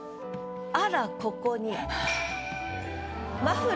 「あらここに」。